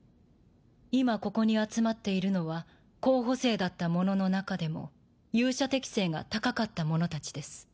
今ここに集まっているのは候補生だった者の中でも勇者適性が高かった者たちです。